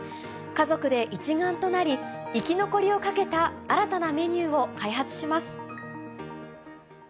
家族で一丸となり、生き残りをかけた新たなメニューを開発します。